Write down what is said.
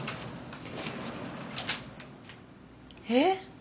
「えっ？